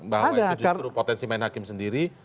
bahwa itu justru potensi main hakim sendiri